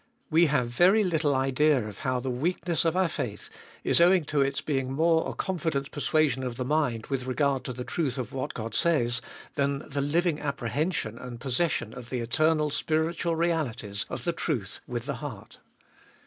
We have very little idea of how the weakness of our faith is owing to its being more a confident iboliest of ail 375 persuasion of the mind with regard to the truth of what God says, than the living apprehension and possession of the eternal spiritual realities of the truth with the heart.